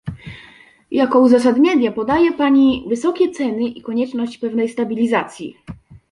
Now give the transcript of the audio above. Jako uzasadnienie podaje pani wysokie ceny i konieczność pewnej stabilizacji